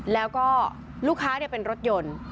แล้วก็ลูกค้าเป็นรถยนต์